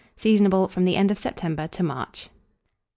Seasonable from the end of September to March.